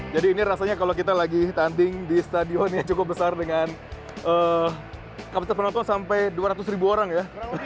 jadi ini rasanya kalau kita lagi tanding di stadion yang cukup besar dengan kapasitas penonton sampai dua ratus ribu orang ya